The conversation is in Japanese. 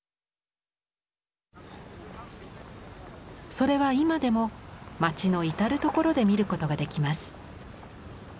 それは今でも街の至る所で見ることができます。